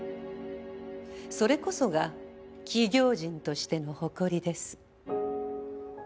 それこそが企業人としての誇りです。